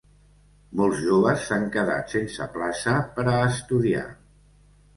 Molts joves s’han quedat sense plaça per a estudiar.